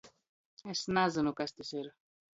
Es nazynu, kas tys ir.